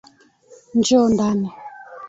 Njoo ndani.